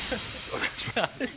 お願いします。